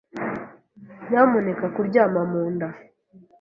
Nyamuneka kuryama mu nda.